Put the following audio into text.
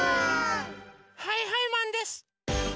はいはいマンです！